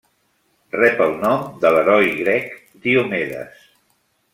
Rep el nom de l'heroi grec Diomedes.